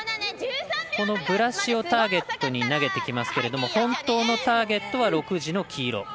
このブラシをターゲットに投げてきますけれども本当のターゲットは６時の黄色。